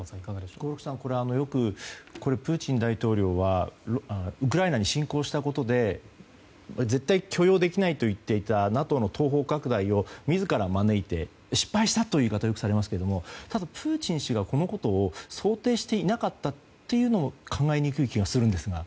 プーチン大統領はウクライナに侵攻したことで絶対許容できないと言っていたＮＡＴＯの東方拡大を自ら招いて失敗したという言い方をよくされますけれどもプーチン氏がこのことを想定していなかったとも考えにくい気がするんですが。